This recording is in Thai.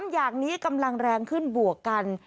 อย่างนี้กำลังแรงขึ้นบวกกัน